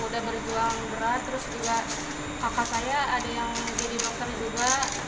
terus juga kakak saya ada yang jadi dokter juga